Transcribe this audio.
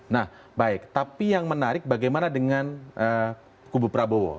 nah baik tapi yang menarik bagaimana dengan kubu prabowo